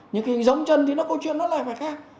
nhưng khi giống chân thì nó có chuyện nó lại phải khác